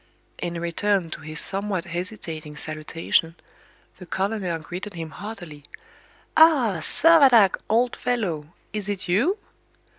In return to his somewhat hesitating salutation, the colonel greeted him heartily, "Ah! Servadac, old fellow! is it you?"